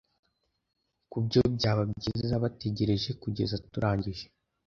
Kubyo byaba byiza bategereje kugeza turangije